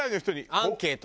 アンケート？